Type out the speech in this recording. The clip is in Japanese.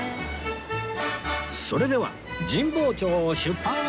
それでは神保町を出発！